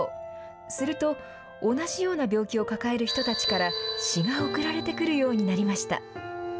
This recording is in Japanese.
すると同じような病気を抱える人たちから詩が送られてくるようになりました。